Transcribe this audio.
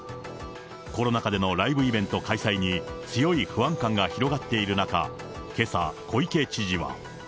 コロナ禍でのライブイベント開催に、強い不安感が広がっている中、けさ、小池知事は。